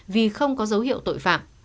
vì không có dấu hiệu tội phạm